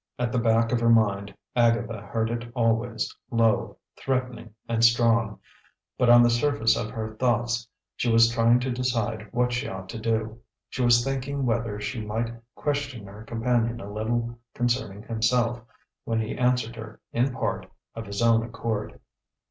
At the back of her mind, Agatha heard it always, low, threatening, and strong; but on the surface of her thoughts, she was trying to decide what she ought to do. She was thinking whether she might question her companion a little concerning himself, when he answered her, in part, of his own accord.